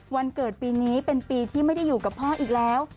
วันเกิดปีนี้เป็นปีที่ไม่ได้อยู่กับพ่ออีกแล้ว